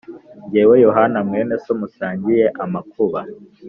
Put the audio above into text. Jyewe Yohana mwene So musangiye amakuba